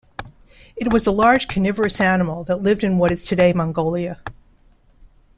It was a large, carnivorous animal that lived in what is today Mongolia.